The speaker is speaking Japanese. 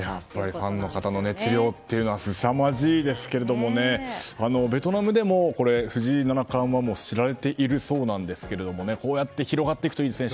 ファンの方の熱量がすさまじいですけどベトナムでも藤井七冠は知られているそうですが広がっていくといいですね